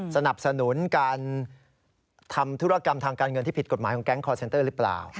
สนับสนุนการทำธุรกรรมทางการเงินที่ผิดกฎหมายของแก๊งคอร์เซ็นเตอร์หรือเปล่า